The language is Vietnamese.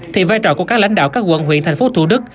thì vai trò của các lãnh đạo các quận huyện thành phố thủ đức